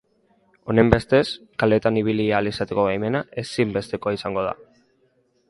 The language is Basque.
Honenbestez, kaleetan ibili ahal izateko baimena ezinbestekoa izango da.